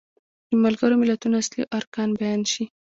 د ملګرو ملتونو اصلي ارکان بیان شي.